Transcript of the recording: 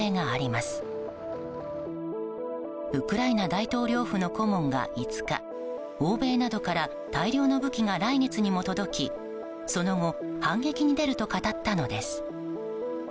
大統領府の顧問が５日欧米などから大量の武器が来月にも届きその後、反撃に出ると語ったのです。